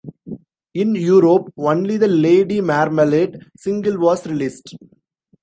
In Europe, only the "Lady Marmalade" single was released.